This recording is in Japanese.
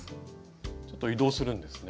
ちょっと移動するんですね？